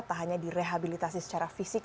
tak hanya direhabilitasi secara fisik